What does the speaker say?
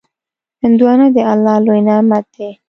هندوانه د الله لوی نعمت دی.